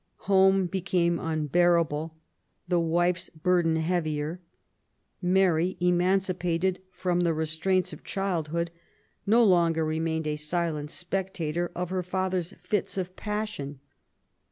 Home became unbearable, the wife's burden heavier. Mary^ emancipated from the restraints of chUdhood^ no longer remained a silent spectator of her father's fits of passion.